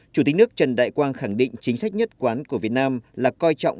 chủ tịch nước trần đại quang khẳng định chính sách nhất quán của việt nam là coi trọng